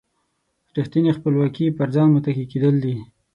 ریښتینې خپلواکي پر ځان متکي کېدل دي.